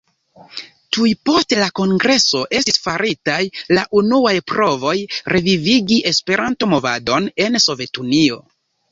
Tuj post la kongreso estis faritaj la unuaj provoj revivigi Esperanto-movadon en Sovetunio.